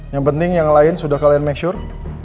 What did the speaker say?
yang penting yang lain sudah kalian make sure